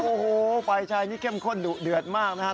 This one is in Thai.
โอ้โฮฝ่ายชายนี้เข้มข้นเดือดมากนะฮะ